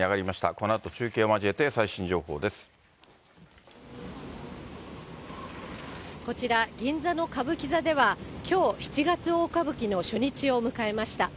このあと、中継を交えて、こちら銀座の歌舞伎座では、きょう、七月大歌舞伎の初日を迎えました。